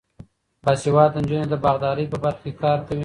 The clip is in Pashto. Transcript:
باسواده نجونې د باغدارۍ په برخه کې کار کوي.